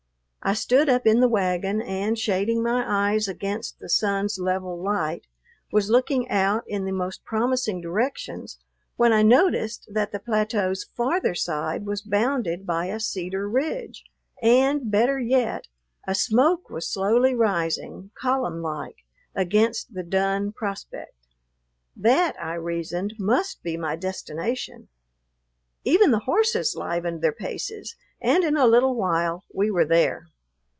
I stood up in the wagon and, shading my eyes against the sun's level light, was looking out in the most promising directions when I noticed that the plateau's farther side was bounded by a cedar ridge, and, better yet, a smoke was slowly rising, column like, against the dun prospect. That, I reasoned, must be my destination. Even the horses livened their paces, and in a little while we were there.